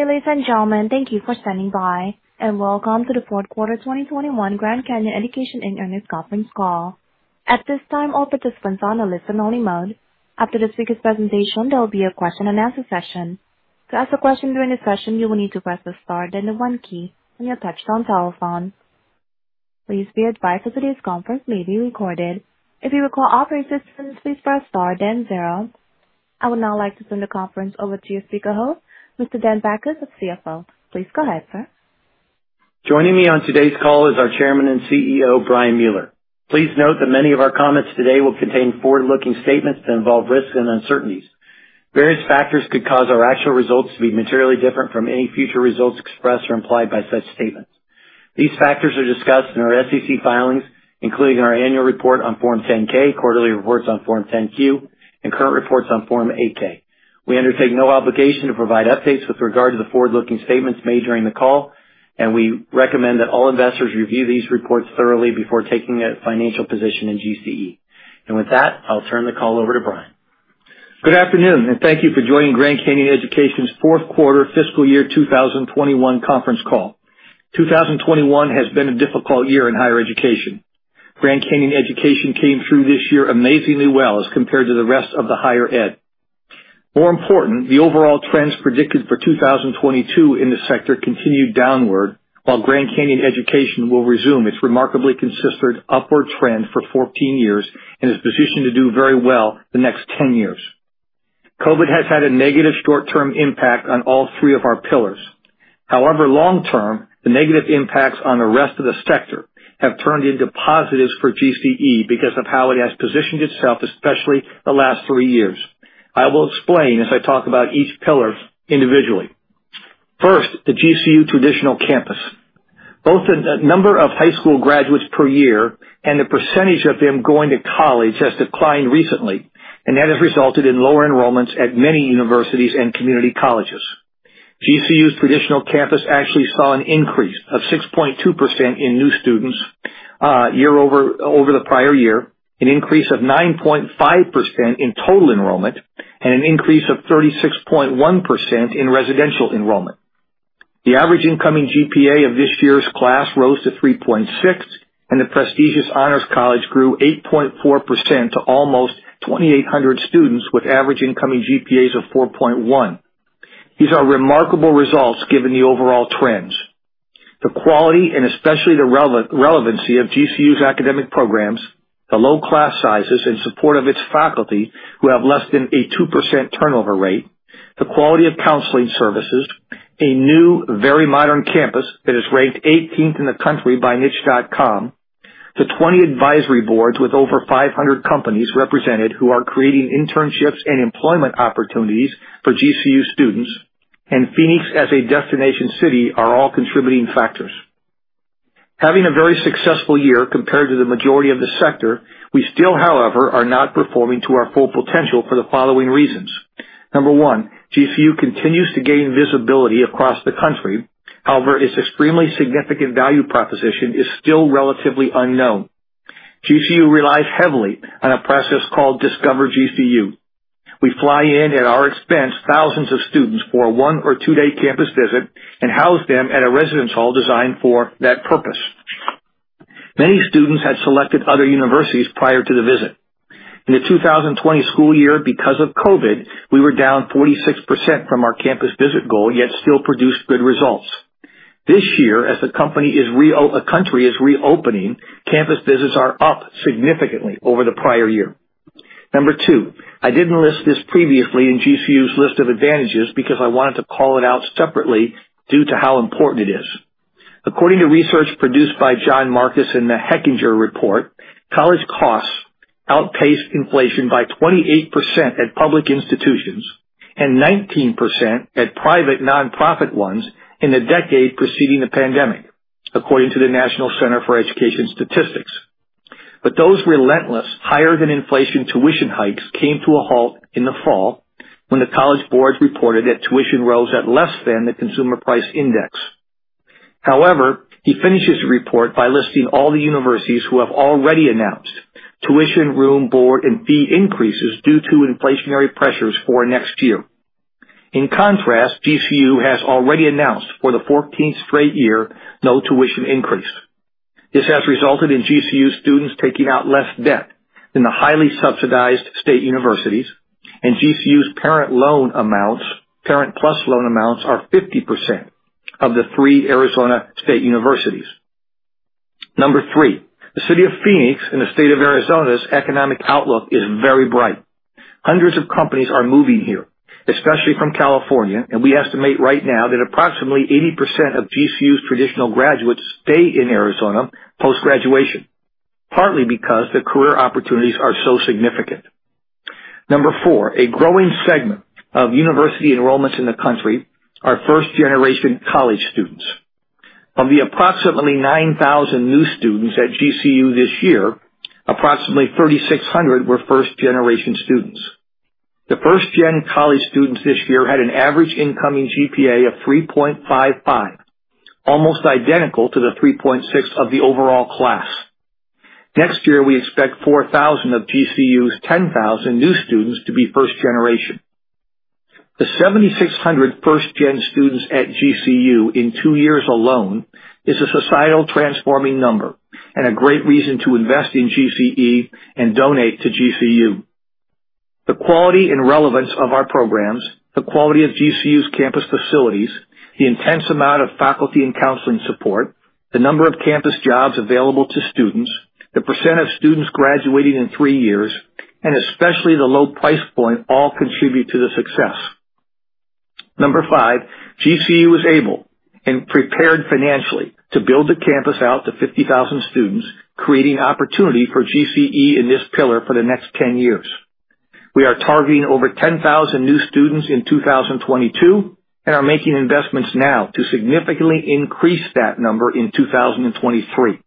Ladies and gentlemen, Thank you for standing by, and Welcome to the Fourth Quarter 2021 Grand Canyon Education, Inc. Conference Call. At this time, all participants are on a listen only mode. After the speaker's presentation, there will be a question and answer session. To ask a question during the session, you will need to press the star then the one key on your touchtone telephone. Please be advised that today's conference may be recorded. If you require operator assistance, please press star then zero. I would now like to turn the conference over to your speaker host, Mr. Daniel Bachus, CFO. Please go ahead, sir. Joining me on today's call is our Chairman and CEO, Brian Mueller. Please note that many of our comments today will contain forward-looking statements that involve risks and uncertainties. Various factors could cause our actual results to be materially different from any future results expressed or implied by such statements. These factors are discussed in our SEC filings, including our annual report on Form 10-K, quarterly reports on Form 10-Q, and current reports on Form 8-K. We undertake no obligation to provide updates with regard to the forward-looking statements made during the call, and we recommend that all investors review these reports thoroughly before taking a financial position in GCE. With that, I'll turn the call over to Brian. Good afternoon, and thank you for joining Grand Canyon Education's Fourth Quarter Fiscal Year 2021 Conference Call. 2021 has been a difficult year in higher education. Grand Canyon Education came through this year amazingly well as compared to the rest of the higher ed. More important, the overall trends predicted for 2022 in the sector continued downward, while Grand Canyon Education will resume its remarkably consistent upward trend for 14 years and is positioned to do very well the next 10 years. COVID has had a negative short-term impact on all three of our pillars. However, long term, the negative impacts on the rest of the sector have turned into positives for GCE because of how it has positioned itself, especially the last 3 years. I will explain as I talk about each pillar individually. First, the GCU traditional campus. Both the number of high school graduates per year and the percentage of them going to college has declined recently, and that has resulted in lower enrollments at many universities and community colleges. GCU's traditional campus actually saw an increase of 6.2% in new students year-over-year, an increase of 9.5% in total enrollment, and an increase of 36.1% in residential enrollment. The average incoming GPA of this year's class rose to 3.6%, and the prestigious honors college grew 8.4% to almost 2,800 students with average incoming GPAs of 4.1. These are remarkable results given the overall trends. The quality, and especially the relevancy of GCU's academic programs, the low class sizes in support of its faculty who have less than a 2% turnover rate, the quality of counseling services, a new, very modern campus that is ranked 18th in the country by niche.com, the 20 advisory boards with over 500 companies represented who are creating internships and employment opportunities for GCU students, and Phoenix as a destination city are all contributing factors. Having a very successful year compared to the majority of the sector, we still, however, are not performing to our full potential for the following reasons. Number one, GCU continues to gain visibility across the country. However, its extremely significant value proposition is still relatively unknown. GCU relies heavily on a process called Discover GCU. We fly in, at our expense, thousands of students for a one or two day campus visit and house them at a residence hall designed for that purpose. Many students had selected other universities prior to the visit. In the 2020 school year, because of COVID, we were down 46% from our campus visit goal, yet still produced good results. This year, the country is reopening, campus visits are up significantly over the prior year. Number two, I didn't list this previously in GCU's list of advantages because I wanted to call it out separately due to how important it is. According to research produced by Jon Marcus in the Hechinger Report, college costs outpaced inflation by 28% at public institutions and 19% at private nonprofit ones in the decade preceding the pandemic, according to the National Center for Education Statistics. Those relentless higher than inflation tuition hikes came to a halt in the fall when the College Board reported that tuition rose at less than the consumer price index. However, he finishes the report by listing all the universities who have already announced tuition, room, board, and fee increases due to inflationary pressures for next year. In contrast, GCU has already announced for the fourteenth straight year no tuition increase. This has resulted in GCU students taking out less debt than the highly subsidized state universities, and GCU's parent loan amounts, Parent PLUS loan amounts, are 50% of the three Arizona state universities. Number three, the city of Phoenix and the state of Arizona's economic outlook is very bright. Hundreds of companies are moving here, especially from California, and we estimate right now that approximately 80% of GCU's traditional graduates stay in Arizona post-graduation, partly because the career opportunities are so significant. Number four, a growing segment of university enrollments in the country are first-generation college students. Of the approximately 9,000 new students at GCU this year, approximately 3,600 were first-generation students. The first-gen college students this year had an average incoming GPA of 3.55, almost identical to the 3.6 of the overall class. Next year, we expect 4,000 of GCU's 10,000 new students to be first generation. The 7,600 first gen students at GCU in two years alone is a societal transforming number and a great reason to invest in GCE and donate to GCU. The quality and relevance of our programs, the quality of GCU's campus facilities, the intense amount of faculty and counseling support, the number of campus jobs available to students, the percent of students graduating in 3 years, and especially the low price point all contribute to the success. Number five, GCU is able and prepared financially to build the campus out to 50,000 students, creating opportunity for GCE in this pillar for the next 10 years. We are targeting over 10,000 new students in 2022 and are making investments now to significantly increase that number in 2023.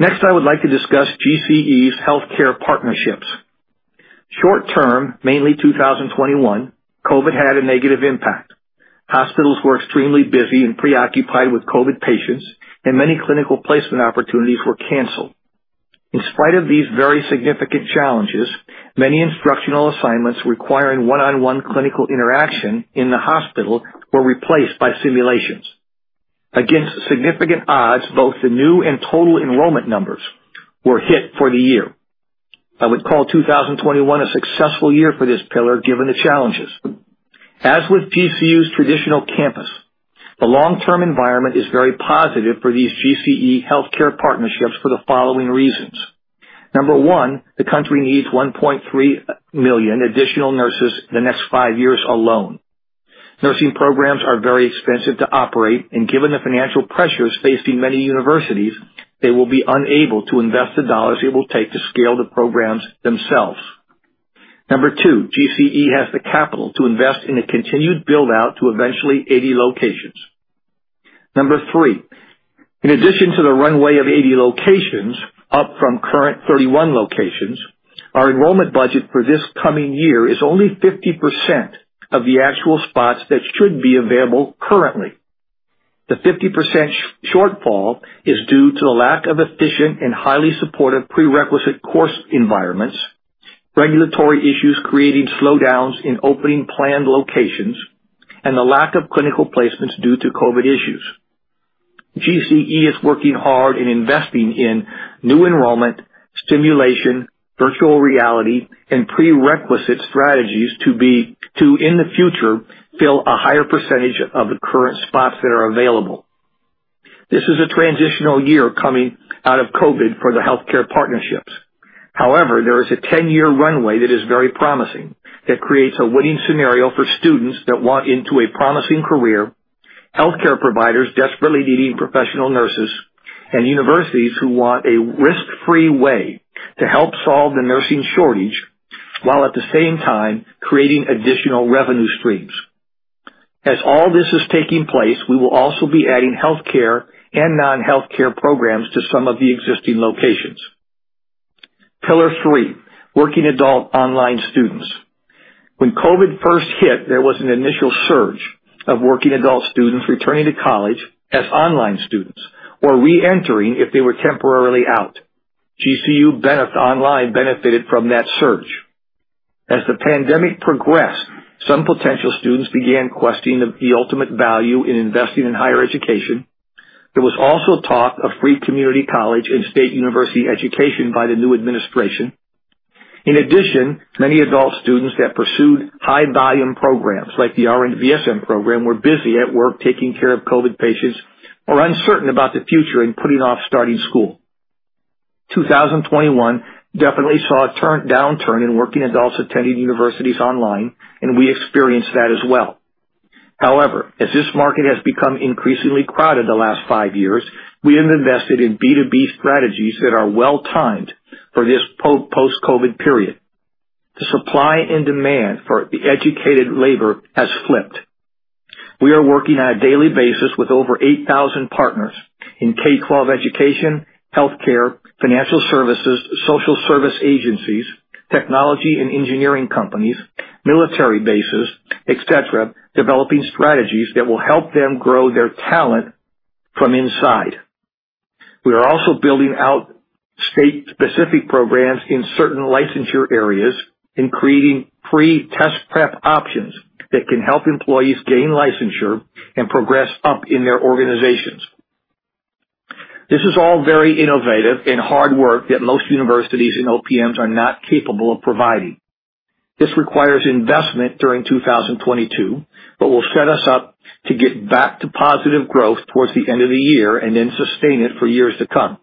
Next, I would like to discuss GCE's healthcare partnerships. Short term, mainly 2021, COVID had a negative impact. Hospitals were extremely busy and preoccupied with COVID patients, and many clinical placement opportunities were canceled. In spite of these very significant challenges, many instructional assignments requiring one-on-one clinical interaction in the hospital were replaced by simulations. Against significant odds, both the new and total enrollment numbers were hit for the year. I would call 2021 a successful year for this pillar given the challenges. As with GCU's traditional campus, the long term environment is very positive for these GCE healthcare partnerships for the following reasons. Number one, the country needs 1.3 million additional nurses in the next 5 years alone. Nursing programs are very expensive to operate, and given the financial pressures facing many universities, they will be unable to invest the dollars it will take to scale the programs themselves. Number two, GCE has the capital to invest in a continued build out to eventually 80 locations. Number three, in addition to the runway of 80 locations, up from current 31 locations, our enrollment budget for this coming year is only 50% of the actual spots that should be available currently. The 50% shortfall is due to the lack of efficient and highly supportive prerequisite course environments, regulatory issues creating slowdowns in opening planned locations, and the lack of clinical placements due to COVID issues. GCE is working hard in investing in new enrollment, simulation, virtual reality, and prerequisite strategies to, in the future, fill a higher percentage of the current spots that are available. This is a transitional year coming out of COVID for the healthcare partnerships. However, there is a 10-year runway that is very promising, that creates a winning scenario for students that want to get into a promising career, healthcare providers desperately needing professional nurses, and universities who want a risk-free way to help solve the nursing shortage while at the same time creating additional revenue streams. As all this is taking place, we will also be adding healthcare and non-healthcare programs to some of the existing locations. Pillar three: working adult online students. When COVID first hit, there was an initial surge of working adult students returning to college as online students or re-entering if they were temporarily out. GCU benefited. Online benefited from that surge. As the pandemic progressed, some potential students began questioning the ultimate value in investing in higher education. There was also talk of free community college and state university education by the new administration. In addition, many adult students that pursued high volume programs like the RN to BSN program were busy at work taking care of COVID patients or uncertain about the future and putting off starting school. 2021 definitely saw a downturn in working adults attending universities online, and we experienced that as well. However, as this market has become increasingly crowded the last five years, we have invested in B2B strategies that are well-timed for this post-COVID period. The supply and demand for the educated labor has flipped. We are working on a daily basis with over 8,000 partners in K-12 education, healthcare, financial services, social service agencies, technology and engineering companies, military bases, et cetera, developing strategies that will help them grow their talent from inside. We are also building out state-specific programs in certain licensure areas and creating free test prep options that can help employees gain licensure and progress up in their organizations. This is all very innovative and hard work that most universities and OPMs are not capable of providing. This requires investment during 2022, but will set us up to get back to positive growth towards the end of the year and then sustain it for years to come.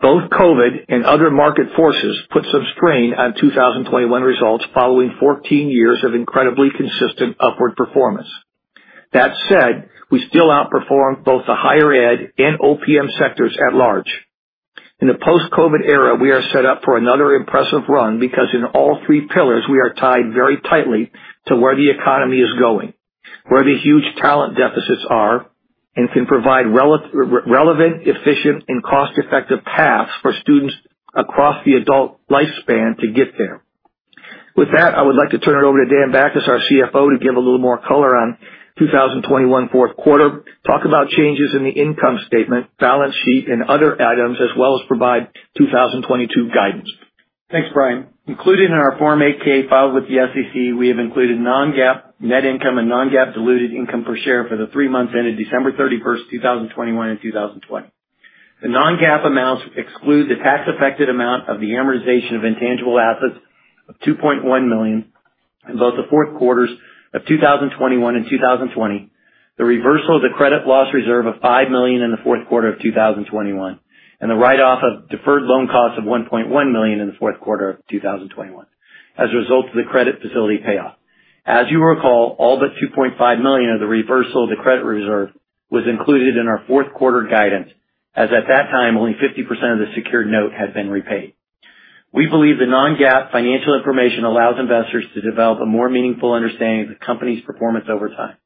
Both COVID and other market forces put some strain on 2021 results following 14 years of incredibly consistent upward performance. That said, we still outperformed both the higher ed and OPM sectors at large. In the post-COVID era, we are set up for another impressive run because in all three pillars, we are tied very tightly to where the economy is going, where the huge talent deficits are, and can provide relevant, efficient, and cost-effective paths for students across the adult lifespan to get there. With that, I would like to turn it over to Dan Bachus, our CFO, to give a little more color on 2021 fourth quarter, talk about changes in the income statement, balance sheet, and other items as well as provide 2022 guidance. Thanks, Brian. Included in our Form 8-K filed with the SEC, we have included non-GAAP net income and non-GAAP diluted income per share for the three months ended December 31, 2021, and 2020. The non-GAAP amounts exclude the tax-affected amount of the amortization of intangible assets of $2.1 million in both the fourth quarters of 2021 and 2020, the reversal of the credit loss reserve of $5 million in the fourth quarter of 2021, and the write-off of deferred loan costs of $1.1 million in the fourth quarter of 2021 as a result of the credit facility payoff. As you recall, all but $2.5 million of the reversal of the credit reserve was included in our fourth quarter guidance, as at that time, only 50% of the secured note had been repaid. We believe the non-GAAP financial information allows investors to develop a more meaningful understanding of the company's performance over time.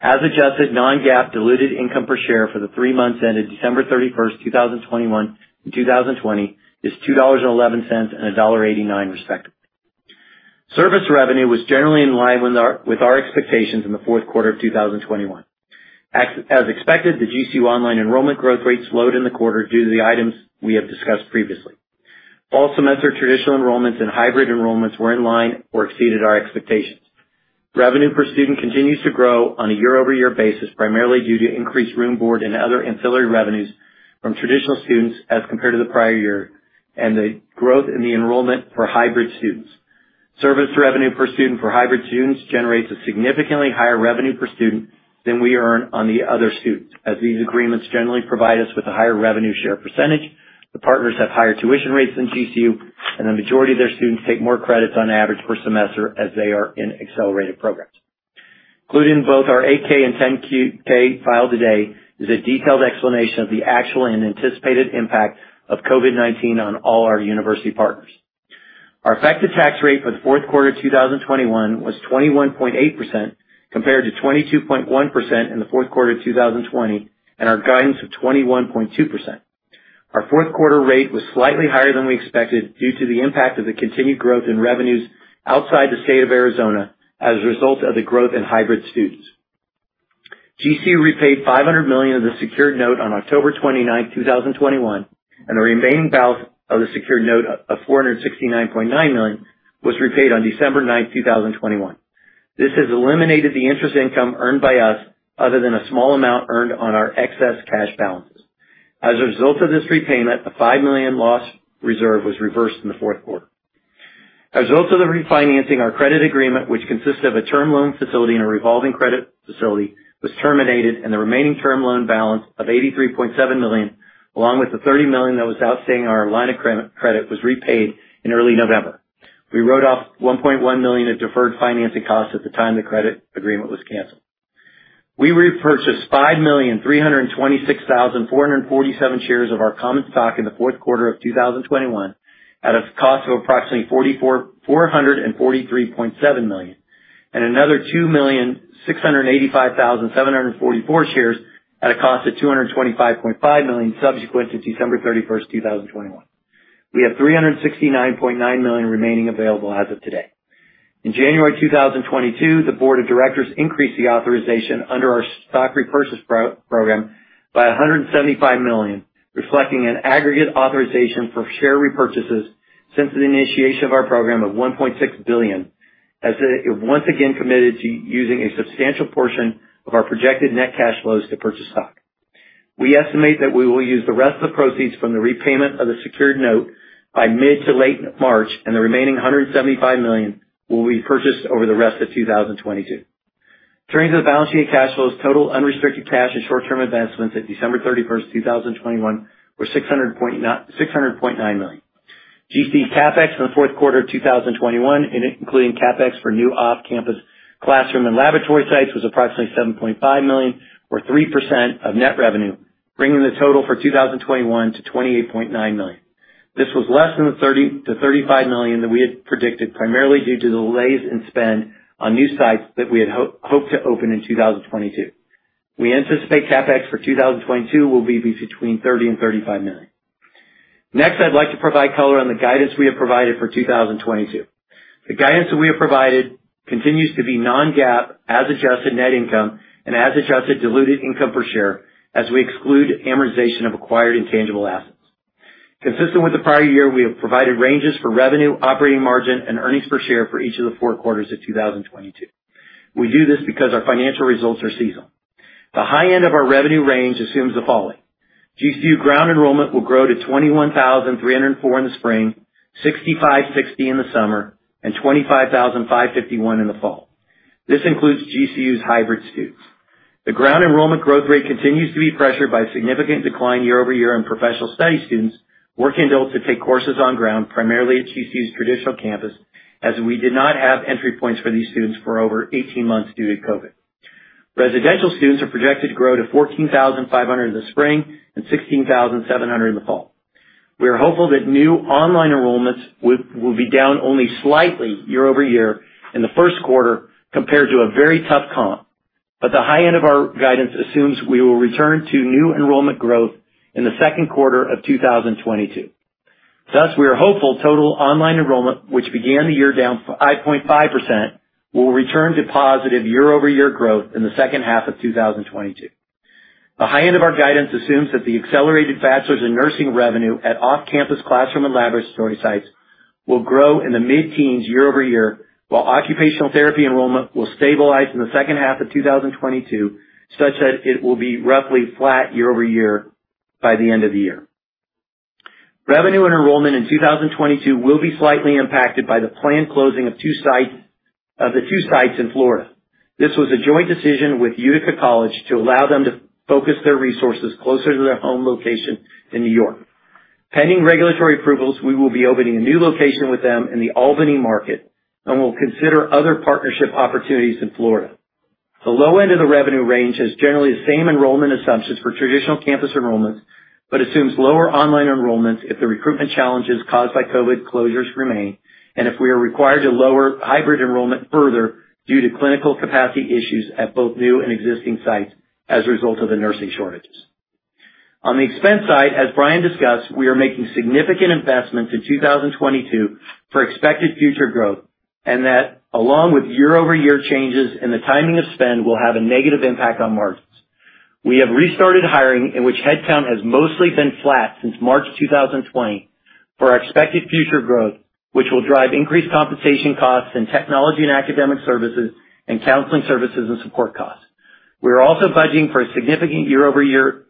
As adjusted, non-GAAP diluted income per share for the three months ended December 31, 2021 and 2020 is $2.11 and $1.89, respectively. Service revenue was generally in line with our expectations in the fourth quarter of 2021. As expected, the GCU online enrollment growth rate slowed in the quarter due to the items we have discussed previously. Fall semester traditional enrollments and hybrid enrollments were in line or exceeded our expectations. Revenue per student continues to grow on a year-over-year basis, primarily due to increased room, board, and other ancillary revenues from traditional students as compared to the prior year, and the growth in the enrollment for hybrid students. Service revenue per student for hybrid students generates a significantly higher revenue per student than we earn on the other students, as these agreements generally provide us with a higher revenue share percentage, the partners have higher tuition rates than GCU, and the majority of their students take more credits on average per semester as they are in accelerated programs. Included in both our 8-K and 10-Q filed today is a detailed explanation of the actual and anticipated impact of COVID-19 on all our university partners. Our effective tax rate for the fourth quarter 2021 was 21.8% compared to 22.1% in the fourth quarter 2020 and our guidance of 21.2%. Our fourth quarter rate was slightly higher than we expected due to the impact of the continued growth in revenues outside the state of Arizona as a result of the growth in hybrid students. GCU repaid $500 million of the secured note on October 29, 2021, and the remaining balance of the secured note of $469.9 million was repaid on December 9, 2021. This has eliminated the interest income earned by us other than a small amount earned on our excess cash balances. As a result of this repayment, a $5 million loss reserve was reversed in the fourth quarter. As a result of the refinancing, our credit agreement, which consists of a term loan facility and a revolving credit facility, was terminated, and the remaining term loan balance of $83.7 million, along with the $30 million that was outstanding on our line of credit, was repaid in early November. We wrote off $1.1 million of deferred financing costs at the time the credit agreement was canceled. We repurchased 5,326,447 shares of our common stock in the fourth quarter of 2021 at a cost of approximately $443.7 million, and another 2,685,744 shares at a cost of $225.5 million subsequent to December 31, 2021. We have $369.9 million remaining available as of today. In January 2022, the board of directors increased the authorization under our stock repurchase program by $175 million, reflecting an aggregate authorization for share repurchases since the initiation of our program of $1.6 billion, as it once again committed to using a substantial portion of our projected net cash flows to purchase stock. We estimate that we will use the rest of the proceeds from the repayment of the secured note by mid to late March, and the remaining $175 million will be purchased over the rest of 2022. Turning to the balance sheet and cash flows, total unrestricted cash and short-term investments at December 31, 2021 were $600.9 million. GCE's CapEx in the fourth quarter of 2021, including CapEx for new off-campus classroom and laboratory sites, was approximately $7.5 million or 3% of net revenue, bringing the total for 2021 to $28.9 million. This was less than the $30 million-$35 million that we had predicted, primarily due to delays in spend on new sites that we had hoped to open in 2022. We anticipate CapEx for 2022 will be between $30 million and $35 million. Next, I'd like to provide color on the guidance we have provided for 2022. The guidance that we have provided continues to be non-GAAP as-adjusted net income and as-adjusted diluted income per share as we exclude amortization of acquired intangible assets. Consistent with the prior year, we have provided ranges for revenue, operating margin, and earnings per share for each of the four quarters of 2022. We do this because our financial results are seasonal. The high end of our revenue range assumes the following, GCU ground enrollment will grow to 21,304 in the spring, 6,560 in the summer, and 25,551 in the fall. This includes GCU's hybrid students. The ground enrollment growth rate continues to be pressured by a significant decline year-over-year in professional studies students working to take courses on ground, primarily at GCU's traditional campus, as we did not have entry points for these students for over 18 months due to COVID. Residential students are projected to grow to 14,500 in the spring and 16,700 in the fall. We are hopeful that new online enrollments will be down only slightly year over year in the first quarter compared to a very tough comp. The high end of our guidance assumes we will return to new enrollment growth in the second quarter of 2022. Thus, we are hopeful total online enrollment, which began the year down 5.5%, will return to positive year-over-year growth in the second half of 2022. The high end of our guidance assumes that the accelerated bachelor's in nursing revenue at off-campus classroom and laboratory sites will grow in the mid-teens year-over-year, while occupational therapy enrollment will stabilize in the second half of 2022, such that it will be roughly flat year-over-year by the end of the year. Revenue and enrollment in 2022 will be slightly impacted by the planned closing of two of the sites in Florida. This was a joint decision with Utica College to allow them to focus their resources closer to their home location in New York. Pending regulatory approvals, we will be opening a new location with them in the Albany market, and we'll consider other partnership opportunities in Florida. The low end of the revenue range has generally the same enrollment assumptions for traditional campus enrollments, but assumes lower online enrollments if the recruitment challenges caused by COVID closures remain, and if we are required to lower hybrid enrollment further due to clinical capacity issues at both new and existing sites as a result of the nursing shortages. On the expense side, as Brian discussed, we are making significant investments in 2022 for expected future growth, and that, along with year-over-year changes in the timing of spend, will have a negative impact on margins. We have restarted hiring, in which headcount has mostly been flat since March 2020 for our expected future growth, which will drive increased compensation costs and technology and academic services and counseling services and support costs. We are also budgeting for a significant year-over-year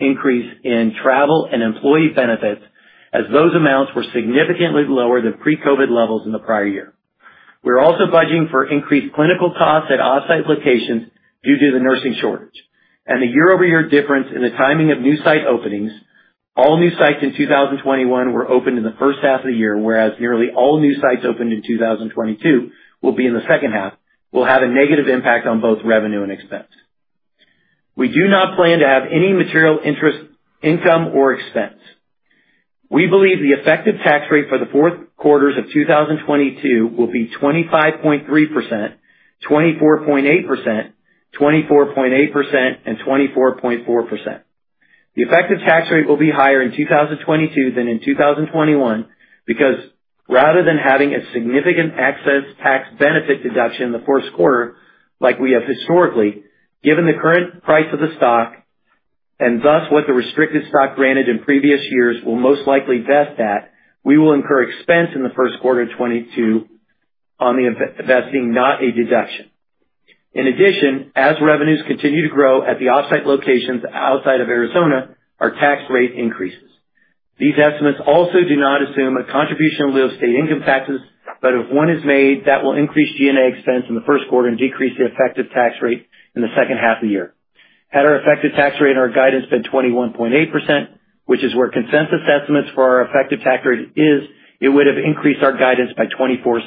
increase in travel and employee benefits, as those amounts were significantly lower than pre-COVID levels in the prior year. We're also budgeting for increased clinical costs at off-site locations due to the nursing shortage. The year-over-year difference in the timing of new site openings, all new sites in 2021 were opened in the first half of the year, whereas nearly all new sites opened in 2022 will be in the second half, will have a negative impact on both revenue and expense. We do not plan to have any material interest, income, or expense. We believe the effective tax rate for the fourth quarters of 2022 will be 25.3%, 24.8%, 24.8%, and 24.4%. The effective tax rate will be higher in 2022 than in 2021 because rather than having a significant excess tax benefit deduction in the first quarter like we have historically, given the current price of the stock, and thus what the restricted stock granted in previous years will most likely vest at, we will incur expense in the first quarter of 2022 on the vesting, not a deduction. In addition, as revenues continue to grow at the off-site locations outside of Arizona, our tax rate increases. These estimates also do not assume a contribution of state income taxes, but if one is made, that will increase G&A expense in the first quarter and decrease the effective tax rate in the second half of the year. Had our effective tax rate and our guidance been 21.8%, which is where consensus estimates for our effective tax rate is, it would have increased our guidance by $0.24.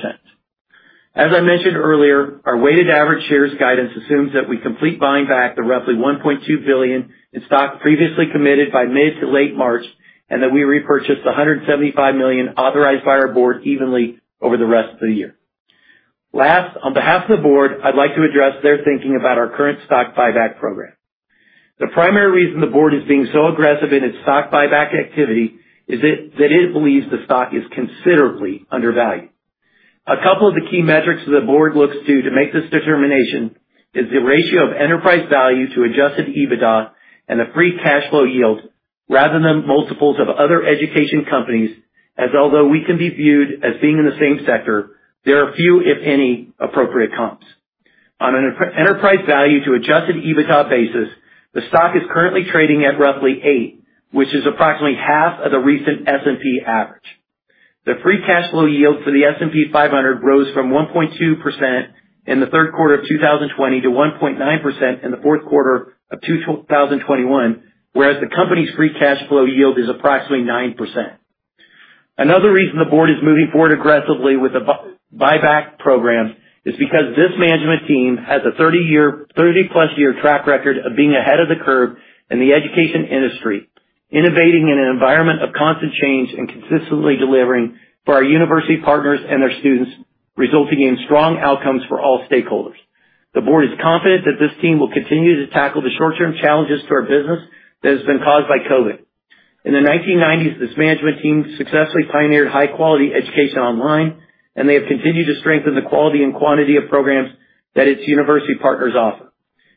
As I mentioned earlier, our weighted average shares guidance assumes that we complete buying back the roughly $1.2 billion in stock previously committed by mid to late March, and that we repurchase the $175 million authorized by our board evenly over the rest of the year. Last, on behalf of the board, I'd like to address their thinking about our current stock buyback program. The primary reason the board is being so aggressive in its stock buyback activity is that it believes the stock is considerably undervalued. A couple of the key metrics that the board looks to to make this determination is the ratio of enterprise value to adjusted EBITDA and the free cash flow yield rather than multiples of other education companies, as although we can be viewed as being in the same sector, there are few, if any, appropriate comps. On an enterprise value to adjusted EBITDA basis, the stock is currently trading at roughly 8, which is approximately half of the recent S&P average. The free cash flow yield for the S&P 500 rose from 1.2% in the third quarter of 2020 to 1.9% in the fourth quarter of 2021, whereas the company's free cash flow yield is approximately 9%. Another reason the board is moving forward aggressively with the buyback program is because this management team has a 30-plus year track record of being ahead of the curve in the education industry, innovating in an environment of constant change and consistently delivering for our university partners and their students, resulting in strong outcomes for all stakeholders. The board is confident that this team will continue to tackle the short-term challenges to our business that has been caused by COVID. In the 1990s, this management team successfully pioneered high-quality education online, and they have continued to strengthen the quality and quantity of programs that its university partners offer.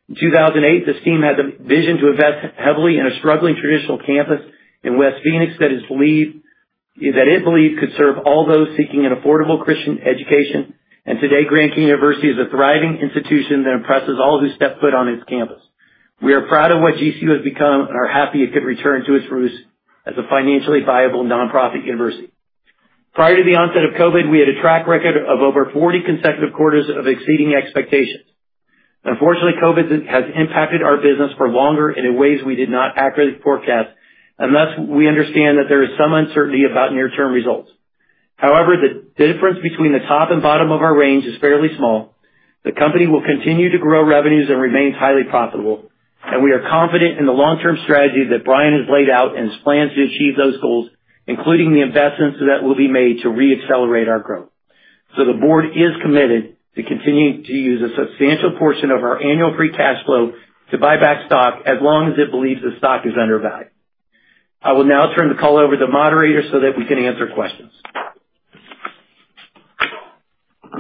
In 2008, this team had the vision to invest heavily in a struggling traditional campus in West Phoenix that it believed could serve all those seeking an affordable Christian education. Today, Grand Canyon University is a thriving institution that impresses all who step foot on its campus. We are proud of what GCU has become and are happy it could return to its roots as a financially viable nonprofit university. Prior to the onset of COVID, we had a track record of over 40 consecutive quarters of exceeding expectations. Unfortunately, COVID has impacted our business for longer and in ways we did not accurately forecast. Thus, we understand that there is some uncertainty about near-term results. However, the difference between the top and bottom of our range is fairly small. The company will continue to grow revenues and remains highly profitable. We are confident in the long-term strategy that Brian has laid out and his plans to achieve those goals, including the investments that will be made to re-accelerate our growth. The board is committed to continuing to use a substantial portion of our annual free cash flow to buy back stock as long as it believes the stock is undervalued. I will now turn the call over to the Moderator so that we can answer questions.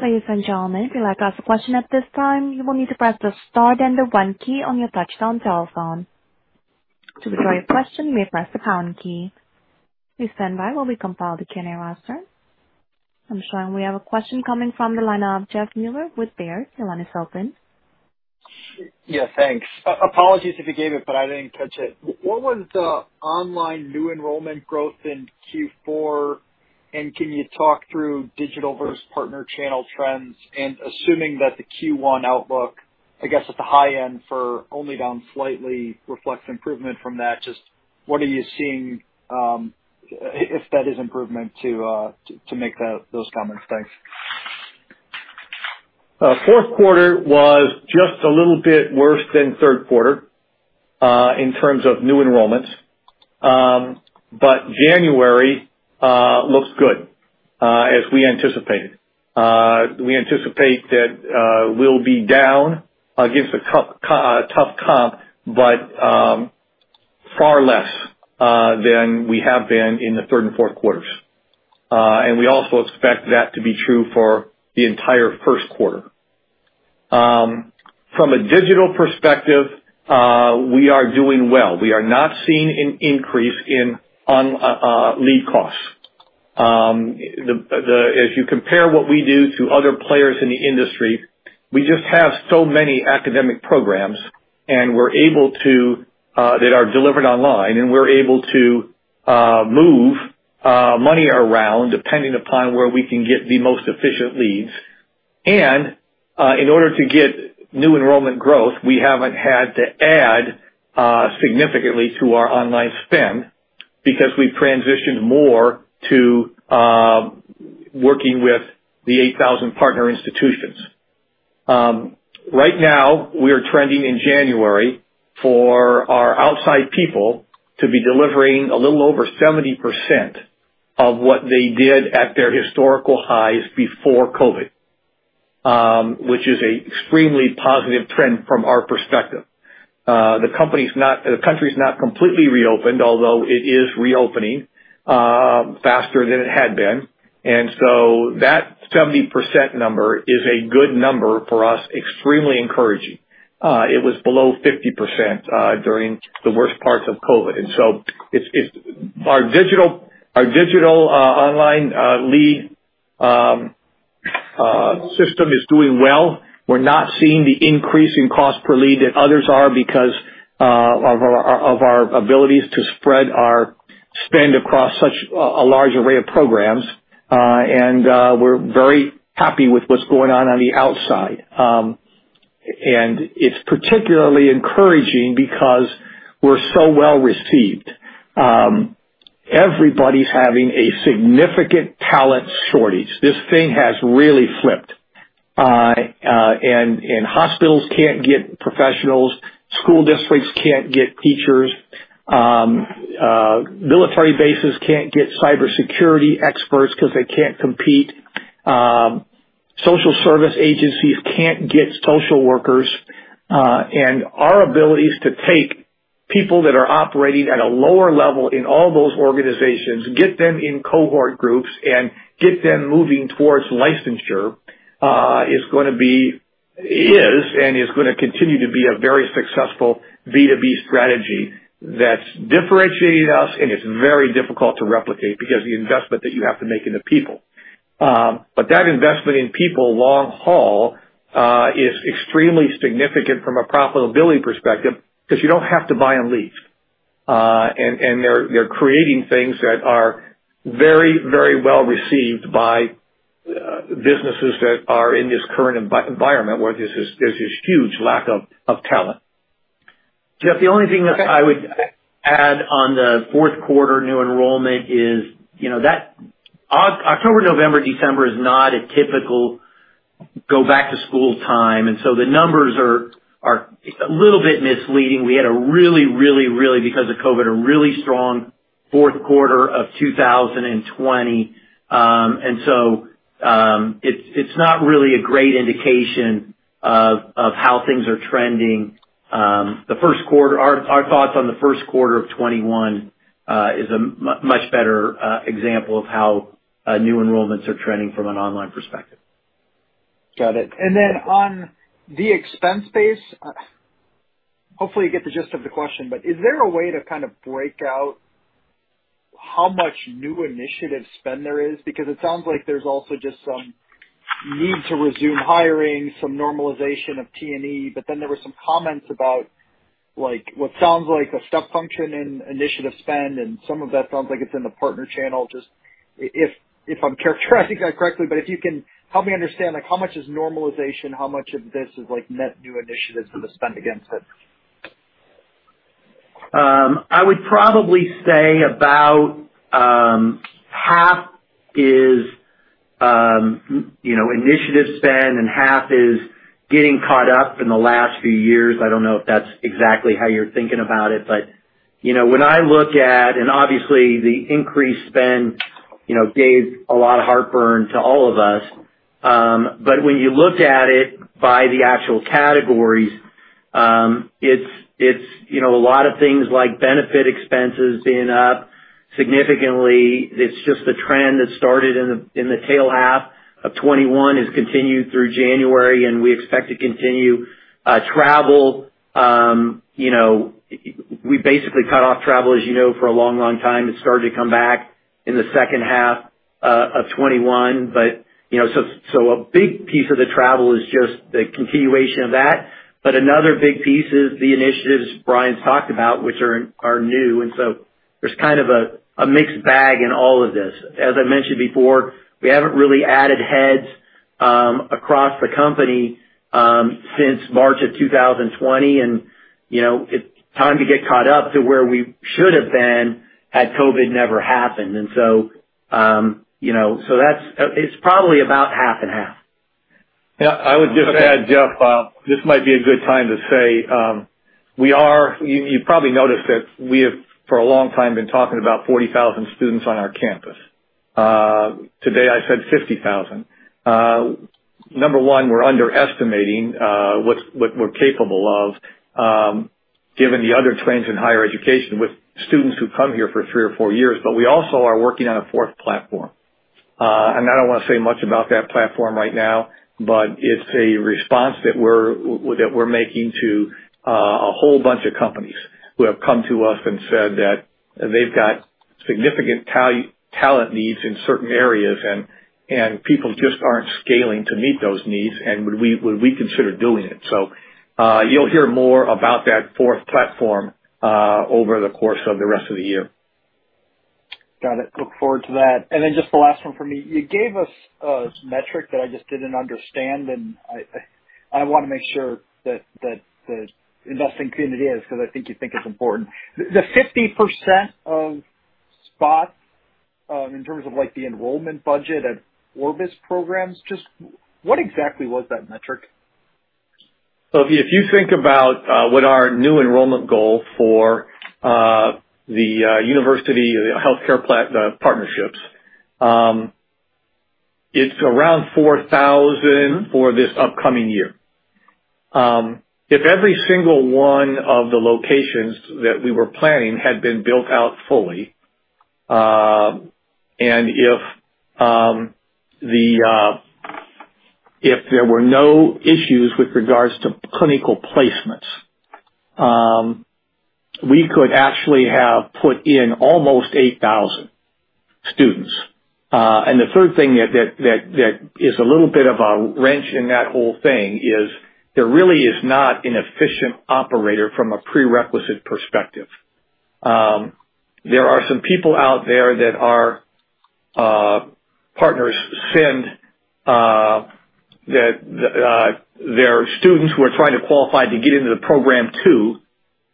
Ladies and gentlemen, if you'd like to ask a question at this time, you will need to press the star then the one key on your touchtone telephone. To withdraw your question, you may press the pound key. Please stand by while we compile the Q&A roster. I'm showing we have a question coming from the line of Jeff Meuler with Baird. Your line is open. Yeah, thanks. Apologies if you gave it, but I didn't catch it. What was the online new enrollment growth in Q4, and can you talk through digital versus partner channel trends? Assuming that the Q1 outlook, I guess, at the high end for only down slightly reflects improvement from that, just what are you seeing, if that is improvement to make that, those comments? Thanks. Fourth quarter was just a little bit worse than third quarter in terms of new enrollments. January looks good as we anticipated. We anticipate that we'll be down against a tough comp, but far less than we have been in the third and fourth quarters. We also expect that to be true for the entire first quarter. From a digital perspective, we are doing well. We are not seeing an increase in online lead costs. If you compare what we do to other players in the industry, we just have so many academic programs that are delivered online, and we're able to move money around depending upon where we can get the most efficient leads. In order to get new enrollment growth, we haven't had to add significantly to our online spend because we've transitioned more to working with the 8,000 partner institutions. Right now, we are trending in January for our outside people to be delivering a little over 70% of what they did at their historical highs before COVID, which is a extremely positive trend from our perspective. The country's not completely reopened, although it is reopening faster than it had been. That 70% number is a good number for us, extremely encouraging. It was below 50% during the worst parts of COVID. It's our digital online lead system is doing well. We're not seeing the increase in cost per lead that others are because of our abilities to spread our spend across such a large array of programs. We're very happy with what's going on on the outside. It's particularly encouraging because we're so well received. Everybody's having a significant talent shortage. This thing has really flipped. Hospitals can't get professionals, school districts can't get teachers, military bases can't get cybersecurity experts 'cause they can't compete. Social service agencies can't get social workers. Our abilities to take people that are operating at a lower level in all those organizations, get them in cohort groups, and get them moving towards licensure is gonna be... is and it's gonna continue to be a very successful B2B strategy that's differentiating us and is very difficult to replicate because the investment that you have to make in the people. That investment in people long haul is extremely significant from a profitability perspective because you don't have to buy and lease. They're creating things that are very well received by businesses that are in this current environment where there's this huge lack of talent. Jeff, the only thing that I would add on the fourth quarter new enrollment is that October, November, December is not a typical go back to school time, and so the numbers are a little bit misleading. We had a really strong fourth quarter of 2020 because of COVID. It's not really a great indication of how things are trending. Our thoughts on the first quarter of 2021 is a much better example of how new enrollments are trending from an online perspective. Got it. Then on the expense base, hopefully you get the gist of the question, but is there a way to kind of break out how much new initiative spend there is? Because it sounds like there's also just some need to resume hiring, some normalization of T&E, but then there were some comments about, like, what sounds like a step function in initiative spend, and some of that sounds like it's in the partner channel. Just if I'm characterizing that correctly, but if you can help me understand, like, how much is normalization, how much of this is, like, net new initiatives for the spend against it? I would probably say about half is, you know, initiative spend and half is getting caught up in the last few years. I don't know if that's exactly how you're thinking about it. You know, when I look at and obviously the increased spend, you know, gave a lot of heartburn to all of us. When you look at it by the actual categories, it's you know, a lot of things like benefit expenses being up significantly. It's just the trend that started in the tail half of 2021, has continued through January, and we expect to continue. Travel, you know, we basically cut off travel, as you know, for a long time. It started to come back in the second half of 2021. You know, a big piece of the travel is just the continuation of that. Another big piece is the initiatives Brian's talked about, which are new. There's kind of a mixed bag in all of this. As I mentioned before, we haven't really added heads across the company since March 2020. You know, it's time to get caught up to where we should have been had COVID never happened. You know, it's probably about half and half. Yeah. I would just add, Jeff, this might be a good time to say, you probably noticed that we have, for a long time been talking about 40,000 students on our campus. Today I said 50,000. Number one, we're underestimating what we're capable of, given the other trends in higher education with students who come here for three or four years. We also are working on a fourth platform. I don't wanna say much about that platform right now, but it's a response that we're making to a whole bunch of companies who have come to us and said that they've got significant talent needs in certain areas and people just aren't scaling to meet those needs and would we consider doing it? You'll hear more about that fourth platform over the course of the rest of the year. Got it. Look forward to that. Then just the last one for me. You gave us a metric that I just didn't understand, and I wanna make sure that the investing community is, because I think you think it's important. The 50% of spots in terms of like the enrollment budget at Orbis programs, just what exactly was that metric? If you think about what our new enrollment goal for the university healthcare platform partnerships, it's around 4,000 for this upcoming year. If every single one of the locations that we were planning had been built out fully, and if there were no issues with regards to clinical placements, we could actually have put in almost 8,000 students. The third thing that is a little bit of a wrench in that whole thing is there really is not an efficient operator from a prerequisite perspective. There are some people out there that our partners send that they're students who are trying to qualify to get into the program too,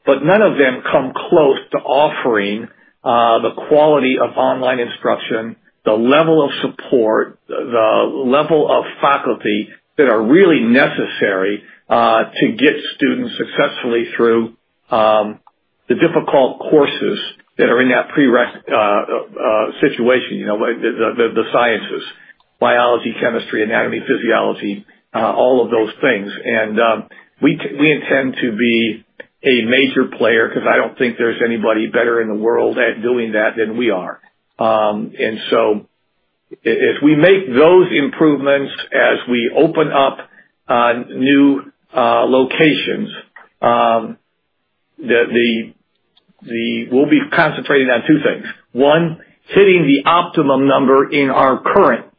but none of them come close to offering the quality of online instruction, the level of support, the level of faculty that are really necessary to get students successfully through the difficult courses that are in that prereq situation. You know, the sciences, biology, chemistry, anatomy, physiology, all of those things. We intend to be a major player because I don't think there's anybody better in the world at doing that than we are. If we make those improvements as we open up new locations, we'll be concentrating on two things. One, hitting the optimum number in our current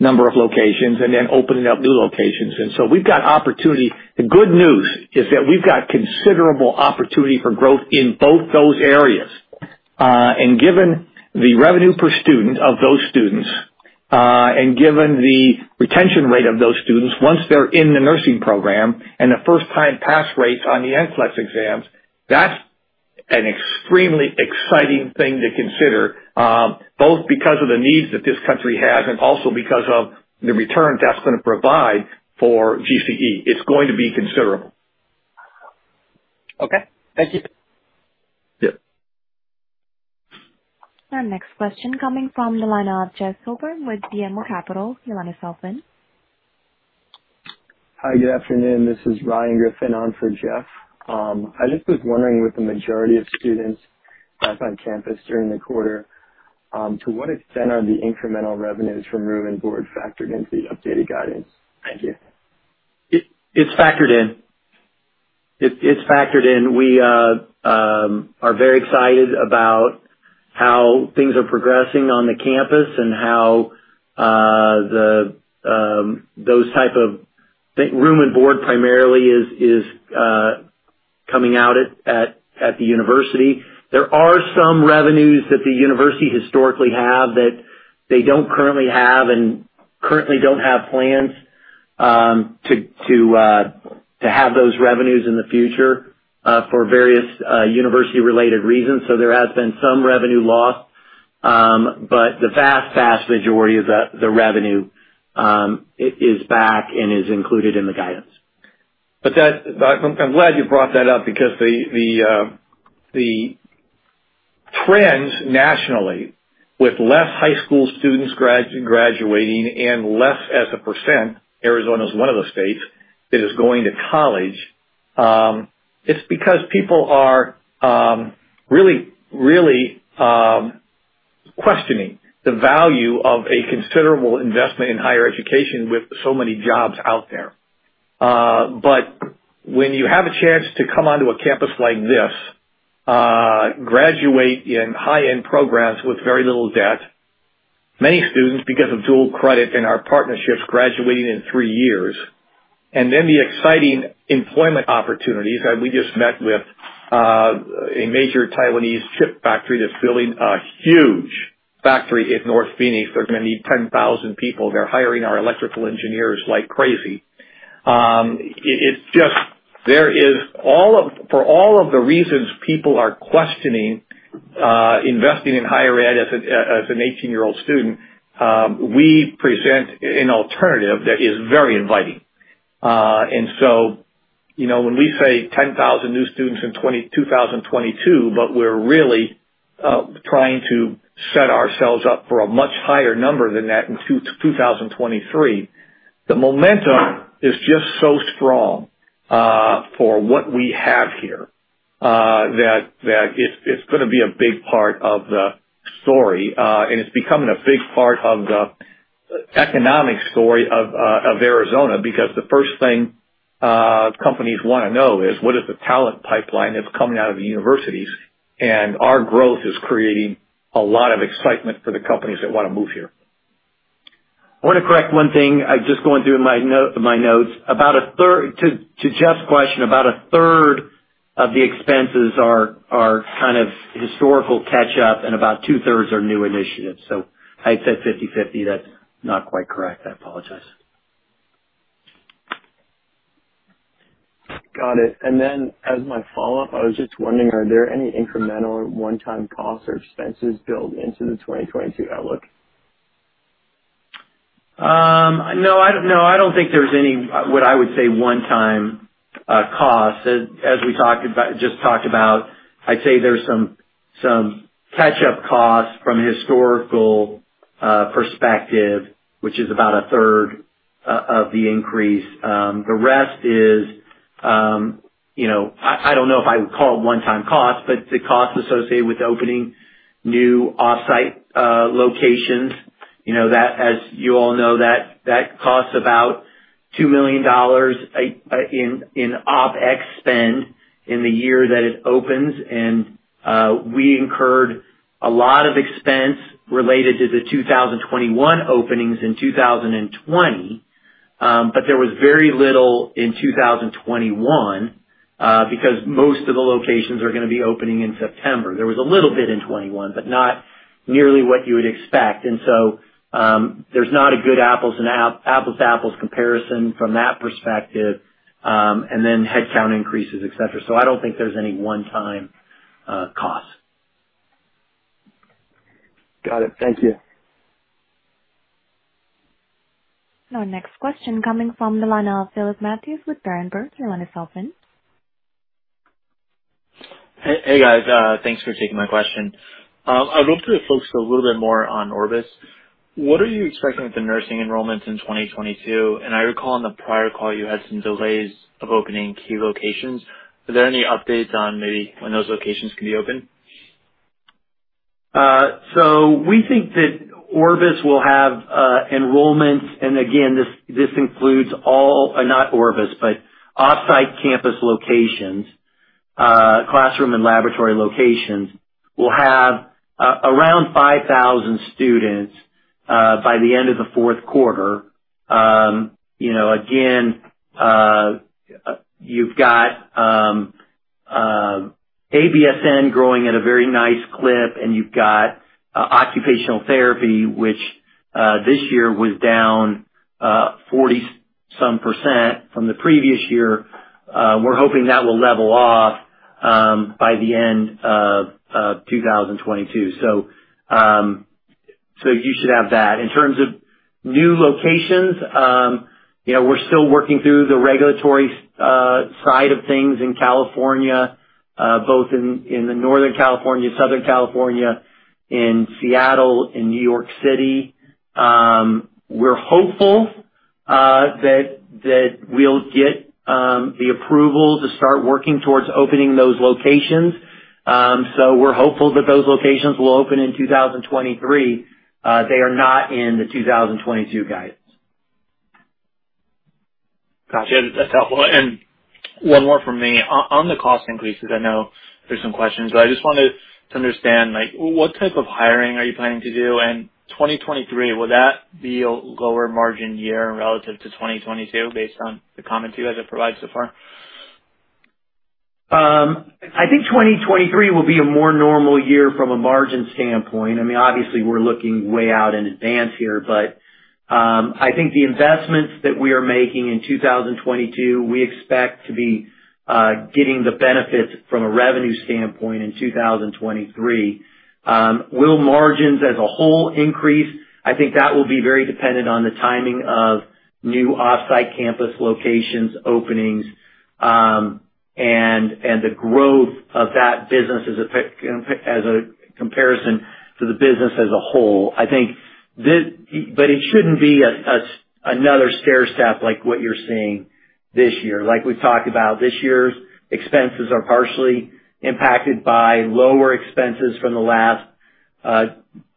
number of locations, and then opening up new locations. We've got opportunity. The good news is that we've got considerable opportunity for growth in both those areas. Given the revenue per student of those students, and given the retention rate of those students once they're in the nursing program and the first-time pass rates on the NCLEX exams, that's an extremely exciting thing to consider, both because of the needs that this country has and also because of the return that's gonna provide for GCE. It's going to be considerable. Okay. Thank you. Yeah. Our next question coming from the line of Jeff Silber with BMO Capital. Your line is open. Hi, good afternoon. This is Ryan Griffin on for Jeff. I just was wondering, with the majority of students back on campus during the quarter, to what extent are the incremental revenues from room and board factored into the updated guidance? Thank you. It's factored in. We are very excited about how things are progressing on the campus and how those type of room and board primarily is coming out at the university. There are some revenues that the university historically have that they don't currently have and currently don't have plans to have those revenues in the future for various university related reasons. There has been some revenue loss, but the vast majority of the revenue is back and is included in the guidance. I'm glad you brought that up because the trends nationally with less high school students graduating and less as a percent, Arizona is one of those states that is going to college. It's because people are really questioning the value of a considerable investment in higher education with so many jobs out there. When you have a chance to come onto a campus like this, graduate in high-end programs with very little debt, many students, because of dual credit and our partnerships, graduating in three years, and then the exciting employment opportunities. We just met with a major Taiwanese chip factory that's building a huge factory in North Phoenix. They're gonna need 10,000 people. They're hiring our electrical engineers like crazy. It's just, for all of the reasons people are questioning investing in higher ed as an 18-year-old student, we present an alternative that is very inviting. You know, when we say 10,000 new students in 2022, but we're really trying to set ourselves up for a much higher number than that in 2023. The momentum is just so strong for what we have here that it's gonna be a big part of the story. It's becoming a big part of the economic story of Arizona, because the first thing companies wanna know is what is the talent pipeline that's coming out of the universities. Our growth is creating a lot of excitement for the companies that wanna move here. I wanna correct one thing. I was just going through my note, my notes. About a third to Jeff's question, about a third of the expenses are kind of historical catch-up, and about two-thirds are new initiatives. I'd said 50/50. That's not quite correct. I apologize. Got it. As my follow-up, I was just wondering, are there any incremental one-time costs or expenses built into the 2022 outlook? No, I don't think there's any, what I would say, one-time costs. As we talked about, I'd say there's some catch-up costs from a historical perspective, which is about a third of the increase. The rest is, you know, I don't know if I would call it one-time costs, but the costs associated with opening new offsite locations. You know, that, as you all know, costs about $2 million in OpEx spend in the year that it opens. We incurred a lot of expense related to the 2021 openings in 2020. There was very little in 2021, because most of the locations are gonna be opening in September. There was a little bit in 2021, but not nearly what you would expect. There's not a good apples to apples comparison from that perspective, and then headcount increases, et cetera. I don't think there's any one-time costs. Got it. Thank you. Our next question coming from the line of Phillip Leytes with Berenberg. Your line is open. Hey, guys. Thanks for taking my question. I'd love to focus a little bit more on Orbis. What are you expecting with the nursing enrollments in 2022? I recall on the prior call you had some delays of opening key locations. Are there any updates on maybe when those locations can be open? We think that Orbis will have enrollments, and again, this includes all. Not Orbis, but off-site campus locations, classroom and laboratory locations will have around 5,000 students by the end of the fourth quarter. You know, again, you've got ABSN growing at a very nice clip, and you've got occupational therapy, which this year was down 40-some% from the previous year. We're hoping that will level off by the end of 2022. You should have that. In terms of new locations, you know, we're still working through the regulatory side of things in California, both in Northern California, Southern California, in Seattle, in New York City. We're hopeful that we'll get the approval to start working towards opening those locations. We're hopeful that those locations will open in 2023. They are not in the 2022 guidance. Gotcha. That's helpful. One more from me. On the cost increases, I know there's some questions. I just wanted to understand, like, what type of hiring are you planning to do? 2023, will that be a lower margin year relative to 2022 based on the comments you guys have provided so far? I think 2023 will be a more normal year from a margin standpoint. I mean, obviously we're looking way out in advance here, but I think the investments that we are making in 2022, we expect to be getting the benefits from a revenue standpoint in 2023. Will margins as a whole increase? I think that will be very dependent on the timing of new off-site campus locations openings, and the growth of that business as a comparison to the business as a whole. It shouldn't be another stair step like what you're seeing this year. Like we've talked about, this year's expenses are partially impacted by lower expenses from the last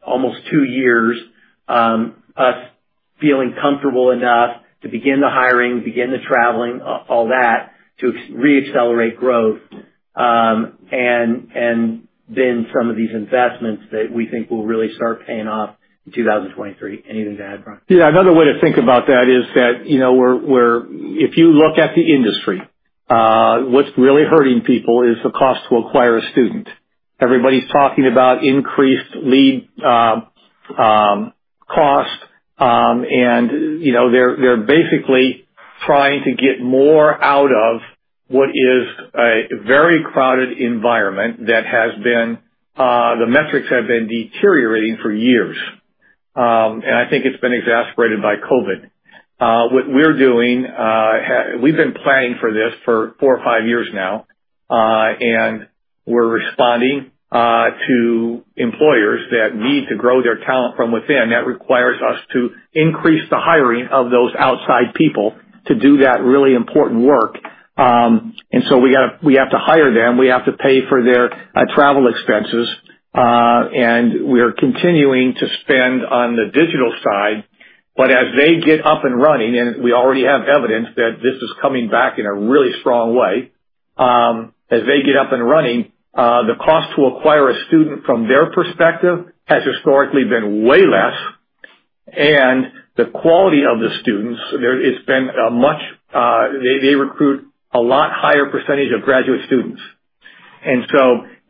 almost two years, us feeling comfortable enough to begin the hiring, begin the traveling, all that, to re-accelerate growth. Then some of these investments that we think will really start paying off in 2023. Anything to add, Brian? Yeah. Another way to think about that is that, you know, we're. If you look at the industry, what's really hurting people is the cost to acquire a student. Everybody's talking about increased lead cost. You know, they're basically trying to get more out of what is a very crowded environment that has been the metrics have been deteriorating for years. I think it's been exacerbated by COVID. What we're doing, we've been planning for this for four or five years now, and we're responding to employers that need to grow their talent from within. That requires us to increase the hiring of those outside people to do that really important work. So we gotta, we have to hire them. We have to pay for their travel expenses. We are continuing to spend on the digital side. As they get up and running, we already have evidence that this is coming back in a really strong way, as they get up and running, the cost to acquire a student from their perspective has historically been way less. The quality of the students there it's been a much, they recruit a lot higher percentage of graduate students.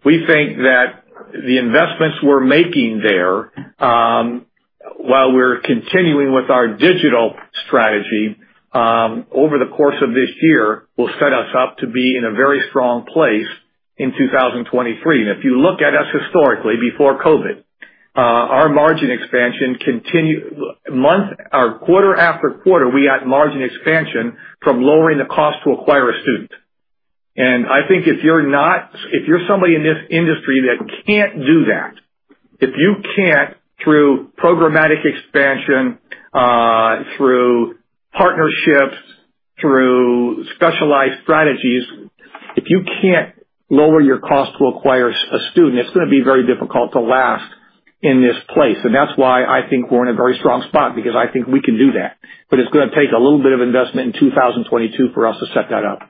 We think that the investments we're making there, while we're continuing with our digital strategy, over the course of this year, will set us up to be in a very strong place in 2023. If you look at us historically, before COVID, our margin expansion continued month or quarter after quarter, we got margin expansion from lowering the cost to acquire a student. I think if you're somebody in this industry that can't do that, if you can't, through programmatic expansion, through partnerships, through specialized strategies, if you can't lower your cost to acquire a student, it's gonna be very difficult to last in this place. That's why I think we're in a very strong spot, because I think we can do that. It's gonna take a little bit of investment in 2022 for us to set that up.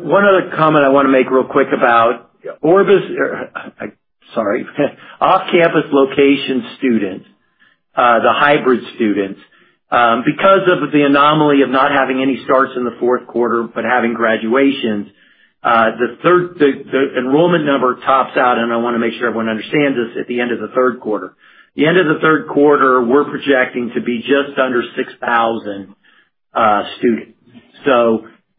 One other comment I wanna make real quick about off-campus location students, the hybrid students, because of the anomaly of not having any starts in the fourth quarter, but having graduations, the enrollment number tops out, and I wanna make sure everyone understands this, at the end of the third quarter. The end of the third quarter, we're projecting to be just under 6,000 students.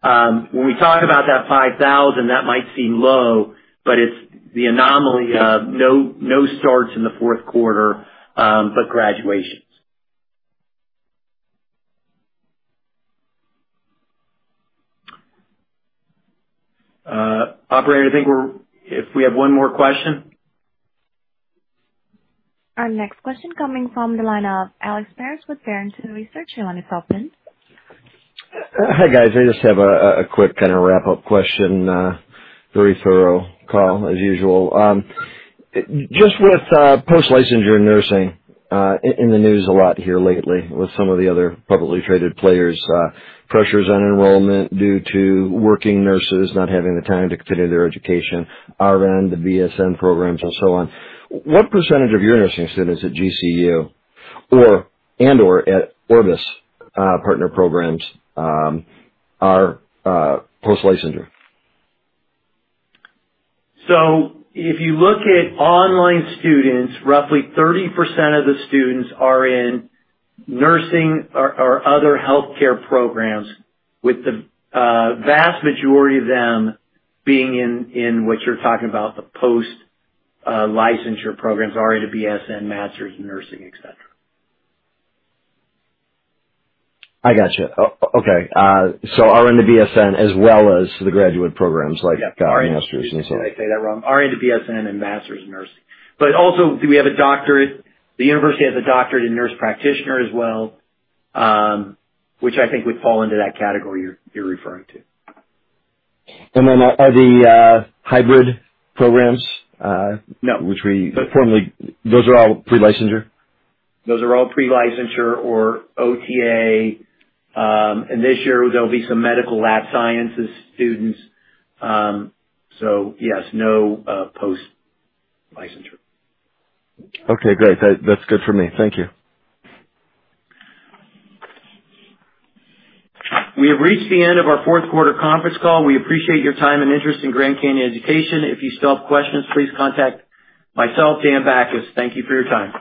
When we talk about that 5,000, that might seem low, but it's the anomaly of no starts in the fourth quarter, but graduations. Operator, I think if we have one more question. Our next question coming from the line of Alex Paris with Barrington Research. Your line is open. Hi, guys. I just have a quick kinda wrap up question. Very thorough call as usual. Just with post-licensure nursing in the news a lot here lately with some of the other publicly traded players, pressures on enrollment due to working nurses not having the time to continue their education, RN to BSN programs and so on. What percentage of your nursing students at GCU or and/or at Orbis partner programs are post-licensure? If you look at online students, roughly 30% of the students are in nursing or other healthcare programs with the vast majority of them being in what you're talking about, the post licensure programs, RN to BSN, Masters in Nursing, et cetera. I gotcha. Okay. RN to BSN as well as the graduate programs like Yeah. Master's in nursing. Did I say that wrong? RN to BSN and Master's in Nursing. But also, do we have a doctorate? The university has a doctorate in nurse practitioner as well, which I think would fall into that category you're referring to. Are the hybrid programs? No. Those are all pre-licensure? Those are all pre-licensure or OTA. This year there'll be some medical lab sciences students. Yes, no post-licensure. Okay, great. That's good for me. Thank you. We have reached the end of our fourth quarter conference call. We appreciate your time and interest in Grand Canyon Education. If you still have questions, please contact myself, Dan Bachus. Thank you for your time.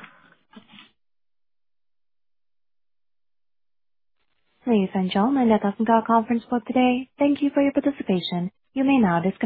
Ladies and gentlemen, that does end our conference call today. Thank you for your participation. You may now disconnect.